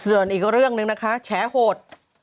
ส่วนอีกเรื่องหนึ่งนะคะแฉโหด